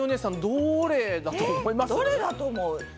どれだと思う？